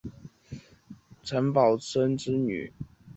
林熊祥之妻陈师桓为陈宝琛之女。